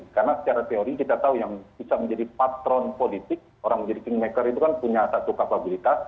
karena secara teori kita tahu yang bisa menjadi patron politik orang menjadi kingmaker itu kan punya satu kapabilitas